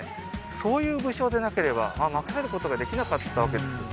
そういう武将でなければ任せることができなかったわけです